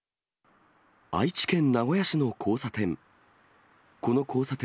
愛知県名古屋市の交差点。